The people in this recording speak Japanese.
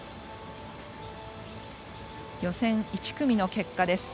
予選１組の結果です。